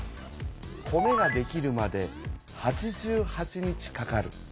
米ができるまで８８日かかる。